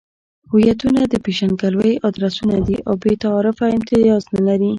هویتونه د پېژندګلوۍ ادرسونه دي او بې تعارفه امتیاز نلري.